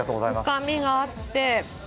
深みがあって。